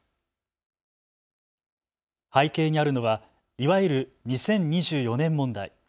背景にあるのはいわゆる２０２４年問題。